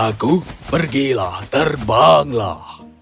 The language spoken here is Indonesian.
tentaku pergilah terbanglah